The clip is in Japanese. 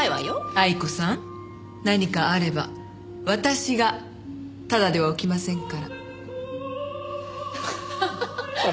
愛子さん何かあれば私がただではおきませんから。